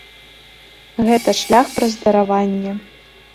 Гэта шлях праз дараванне.